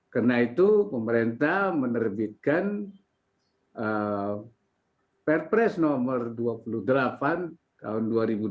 karena itu pemerintah menerbitkan perpres nomor dua puluh delapan tahun dua ribu dua puluh